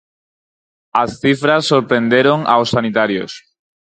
As cifras sorprenderon aos sanitarios.